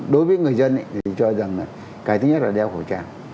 đối với người dân thì cho rằng là cái thứ nhất là đeo khẩu trang